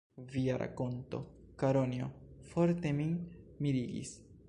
Via rakonto, Karonjo, forte min mirigis.